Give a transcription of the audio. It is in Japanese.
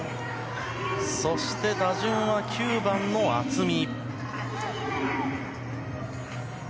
そして、打順は９番の渥美。